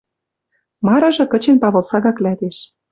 Марыжы кычен Павыл сага клӓтеш...